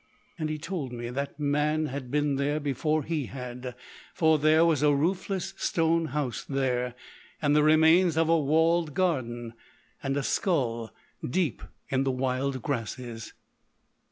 "And he told me that man had been there before he had. For there was a roofless stone house there, and the remains of a walled garden. And a skull deep in the wild grasses."